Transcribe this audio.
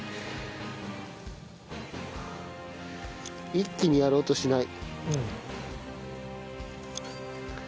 一気にやろうとしない。